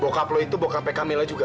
bokap lo itu bokapnya camilla juga